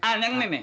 ah yang ini nih